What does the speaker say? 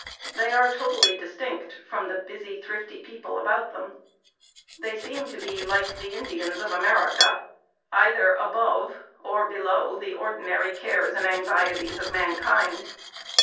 They are totally distinct from the busy, thrifty people about them. They seem to be like the Indians of America, either above or below the ordinary cares and anxieties of mankind.